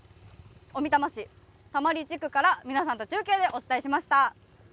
きょうは小美玉市玉里地区から皆さんと中継でお伝えしました。